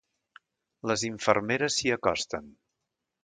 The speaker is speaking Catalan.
Les infermeres s'hi acosten.